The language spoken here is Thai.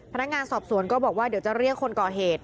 พนักงานสอบสวนก็บอกว่าเดี๋ยวจะเรียกคนก่อเหตุ